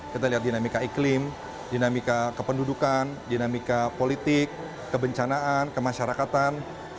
kita lihat dinamika iklim dinamika kependudukan dinamika politik kebencanaan kemasyarakatan